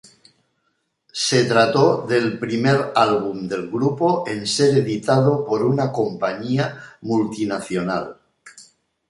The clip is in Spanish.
Se trató del primer álbum del grupo en ser editado por una compañía multinacional.